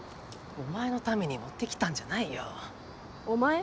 お前のために持って来たんじゃないよ。「お前」？